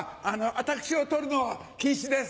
私を撮るのは禁止です。